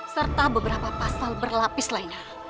serta beberapa pasal berlapis lainnya